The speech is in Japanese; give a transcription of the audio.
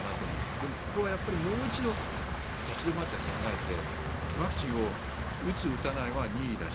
でもここはもう一度立ち止まって考えてワクチンを打つ、打たないは任意だし